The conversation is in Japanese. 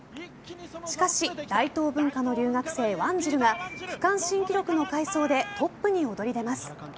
しかし、大東文化の留学生ワンジルが区間新記録の快走でトップに躍り出ます。